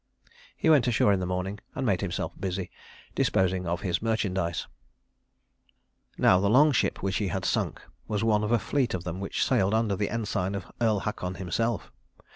He went ashore in the morning and made himself busy, disposing of his merchandise. Now the long ship which he had sunk was one of a fleet of them which sailed under the ensign of Earl Haakon himself.